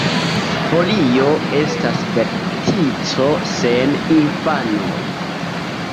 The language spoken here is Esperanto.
Folio estas vertico sen infanoj.